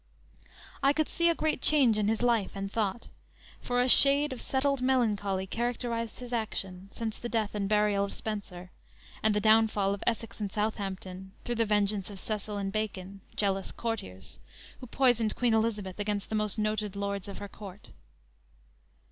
I could see a great change in his life and thought; for a shade of settled melancholy characterized his action, since the death and burial of Spenser, and the downfall of Essex and Southampton, through the vengeance of Cecil and Bacon, jealous courtiers, who poisoned Queen Elizabeth against the most noted Lords of her court.